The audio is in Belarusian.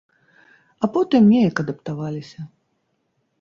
А потым неяк адаптаваліся.